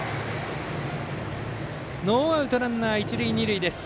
ノーアウトランナー、一塁二塁です。